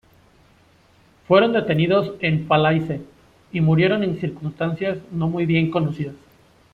Fueron detenidos en Falaise y murieron en circunstancias no muy bien conocidas.